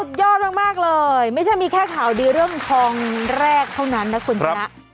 ยอดมากเลยไม่ใช่มีแค่ข่าวดีเรื่องทองแรกเท่านั้นนะคุณชนะ